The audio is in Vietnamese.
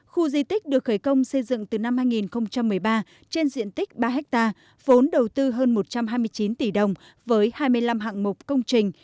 khu di tích được khởi công xây dựng từ năm hai nghìn một mươi ba trên diện tích ba ha vốn đầu tư hơn một trăm hai mươi chín tỷ đồng với hai mươi năm hạng mục công trình